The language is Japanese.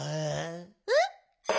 えっ？